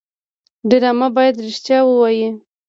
ډرامه باید رښتیا ووايي